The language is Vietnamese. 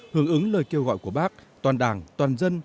hướng ứng lời kêu gọi của bác toàn đảng toàn dân